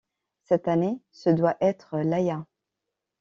Cette année, ce doit être Laya.